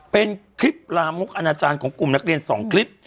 เป็นคลิปลามกอนาจารย์ของกลุ่มนักเรียน๒คลิป